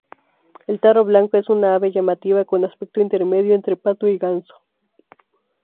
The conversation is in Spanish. El tarro blanco es una ave llamativa con aspecto intermedio entre pato y ganso.